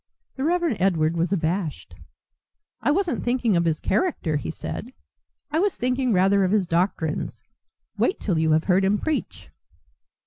The Reverend Edward was abashed. "I wasn't thinking of his character," he said. "I was thinking rather of his doctrines. Wait till you have heard him preach."